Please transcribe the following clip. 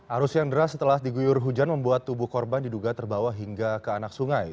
arus yang deras setelah diguyur hujan membuat tubuh korban diduga terbawa hingga ke anak sungai